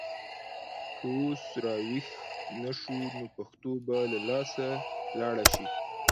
که اوس راویښ نه شو نو پښتو به له لاسه لاړه شي.